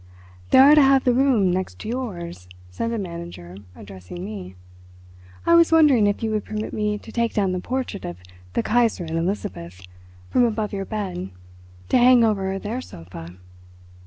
"They are to have the room next to yours," said the manager, addressing me. "I was wondering if you would permit me to take down the portrait of the Kaiserin Elizabeth from above your bed to hang over their sofa."